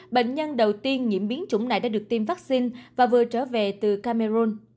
bệnh nhân đầu tiên nhiễm biến chủng này đã được tiêm vaccine và vừa trở về từ camera